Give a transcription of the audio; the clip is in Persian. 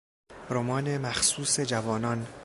رمان مخصوص جوانان